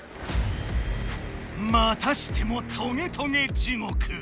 またしてもトゲトゲ地獄。